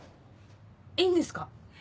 いいんですか？